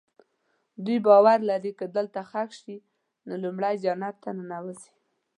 دوی باور لري که دلته ښخ شي نو لومړی جنت ته ننوځي.